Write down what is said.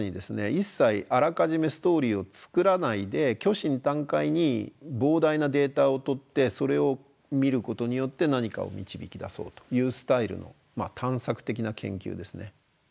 一切あらかじめストーリーを作らないで虚心坦懐に膨大なデータを取ってそれを見ることによって何かを導き出そうというスタイルの探索的な研究ですね。